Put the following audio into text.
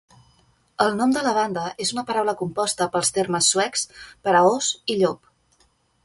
El nom de la banda és una paraula composta pels termes suecs per a "os" i "llop".